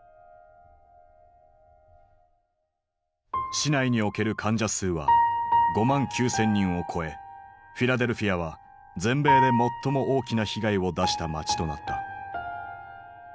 市内における患者数は５万９，０００人を超えフィラデルフィアは全米で最も大きな被害を出した街となった。